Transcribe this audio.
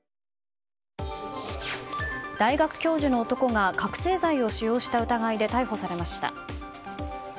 大学教授の男が覚醒剤を使用した疑いで逮捕されました。